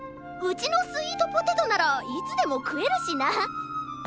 うちのスイートポテトならいつでもくえるしな。